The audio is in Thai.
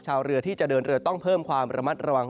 ชาวเรือที่จะเดินเรือต้องเพิ่มความระมัดระวัง